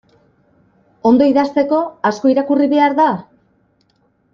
Ondo idazteko, asko irakurri behar da?